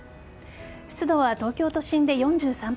湿度は東京都心で４３％